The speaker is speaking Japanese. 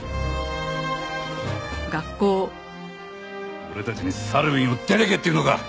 俺たちにサルウィンを出てけっていうのか！？